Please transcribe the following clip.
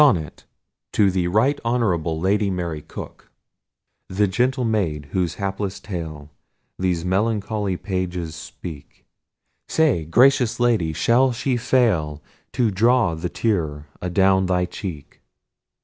SONNET TO THE RIGHT HONOURABLE LADY MARY COKE. The gentle maid, whose hapless tale These melancholy pages speak; Say, gracious lady, shall she fail To draw the tear adown thy cheek?